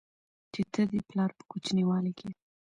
چې ته دې پلار په کوچينوالي کې